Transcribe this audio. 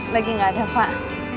lagi gak ada pak